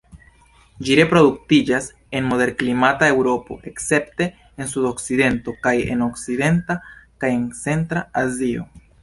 Ĝi reproduktiĝas en moderklimata Eŭropo, escepte en sudokcidento, kaj en okcidenta kaj centra Azio.